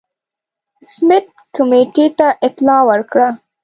سمیت کمېټې ته اطلاع ورکړه.